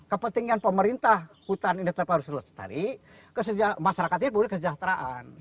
kepentingan pemerintah hutan ini terpaksa selesai masyarakat ini perlu kesejahteraan